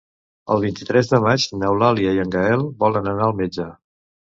El vint-i-tres de maig n'Eulàlia i en Gaël volen anar al metge.